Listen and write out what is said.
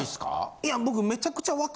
いや僕。